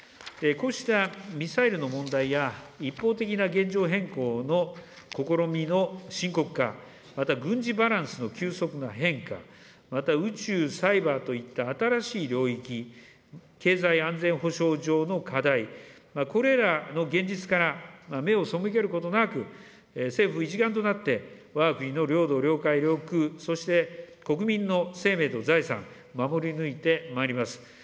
こうしたミサイルの問題や、一方的な現状変更の試みの深刻化、また軍事バランスの急速な変化、また宇宙、サイバーといった新しい領域、経済安全保障上の課題、これらの現実から目を背けることなく、政府一丸となって、わが国の領土、領海、領空、そして国民の生命と財産、守り抜いてまいります。